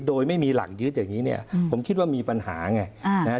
โดยไม่มีหลักยึดอย่างนี้เนี่ยผมคิดว่ามีปัญหาไงนะฮะ